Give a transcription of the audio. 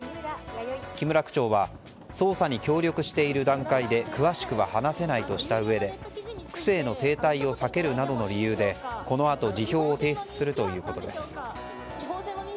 木村区長は捜査に協力している段階で詳しく話せないとしたうえで区政の停滞を避けるなどの理由でこのあと、辞表を提出するということです。